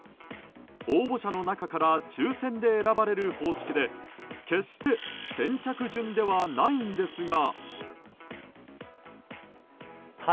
応募者の中から抽選で選ばれる方式で決して先着順ではないんですが。